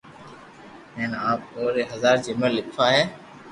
ھين آئري ۾ ھزار جملا ليکوا ھي